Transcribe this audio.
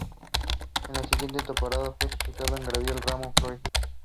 They also competed in the Scottish Cup and Scottish League Cup.